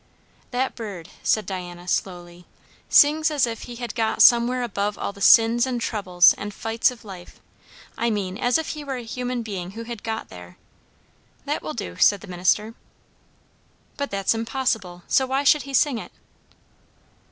"That bird," said Diana slowly, "sings as if he had got somewhere above all the sins and troubles and fights of life; I mean, as if he were a human being who had got there." "That will do," said the minister. "But that's impossible; so why should he sing it?"